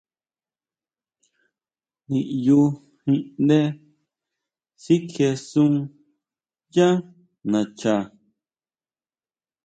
Niʼyujinʼndé sikjiʼesun yá nacha.